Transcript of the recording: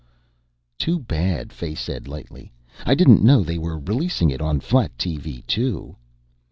"Too bad," Fay said lightly. "I didn't know they were releasing it on flat TV too."